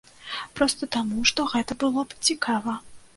Проста таму, што гэта было б цікава.